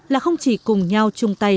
là không chỉ cùng nhau chung tay